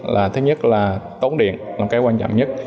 là thứ nhất là tốn điện là cái quan trọng nhất